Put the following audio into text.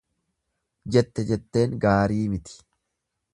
Jette jetteen gaarii miti.